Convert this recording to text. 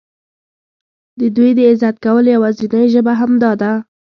د دوی د عزت کولو یوازینۍ ژبه همدا ده.